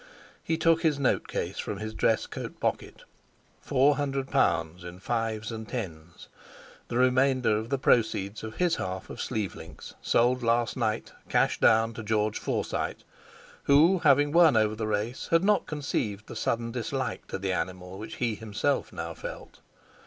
He took his note case from his dress coat pocket. Four hundred pounds, in fives and tens—the remainder of the proceeds of his half of Sleeve links, sold last night, cash down, to George Forsyte, who, having won over the race, had not conceived the sudden dislike to the animal which he himself now felt.